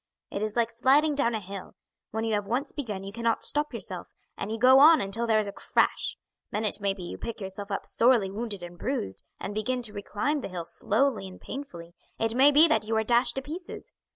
It is like sliding down a hill; when you have once begun you cannot stop yourself, and you go on until there is a crash; then it may be you pick yourself up sorely wounded and bruised, and begin to reclimb the hill slowly and painfully; it may be that you are dashed to pieces.